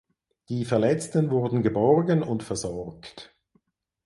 Die Verletzten wurden geborgen und versorgt.